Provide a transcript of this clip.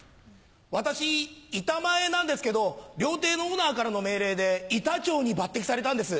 私板前なんですけど料亭のオーナーからの命令で板長に抜擢されたんです。